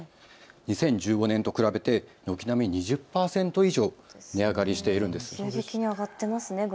２０１５年と比べて軒並み２０％以上値上がりしているんです。